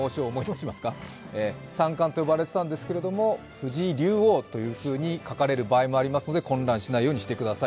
三冠と呼ばれていたんですけれども藤井竜王と書かれる場合もありますので、混乱しないようにしてください。